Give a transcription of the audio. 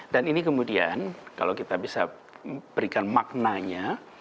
dan ini kemudian kalau kita bisa berikan maknanya